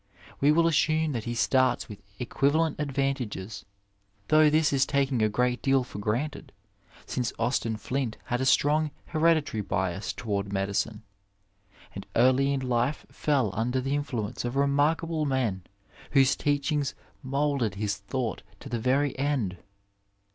We win assume that he starts with equivalent advantages, though this is taking a great deal for granted, since Austin Flint had a strong hereditary bias toward medicine, and early in life ML under the influence of remarkable men whose teachings moulded his thought to the very end.